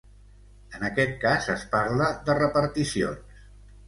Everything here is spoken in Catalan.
En aquest cas es parla de reparticions.